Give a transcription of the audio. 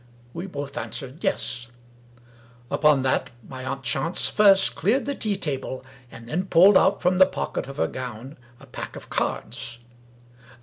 We both answered Yes, Upon that my aunt Chance first cleared the tea table, and then pulled out from the pocket of her gown a pack of cards.